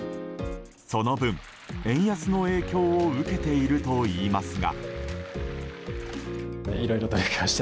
その分、円安の影響を受けているといいますが。